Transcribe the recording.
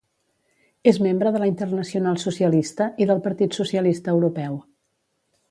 És membre de la Internacional Socialista, i del Partit Socialista Europeu.